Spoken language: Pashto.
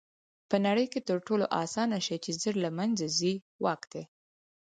په نړۍ کښي تر ټولو آسانه شى چي ژر له منځه ځي؛ واک دئ.